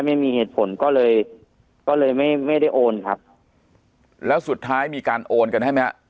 ไม่มีเหตุผลก็เลยก็เลยไม่ไม่ได้โอนครับแล้วสุดท้ายมีการโอนกันให้ไหมฮะ